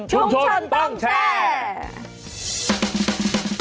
ชุมชนต้องแชร์